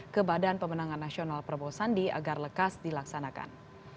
ke badan pemenangan nasional prabowo sandi agar lekas dilaksanakan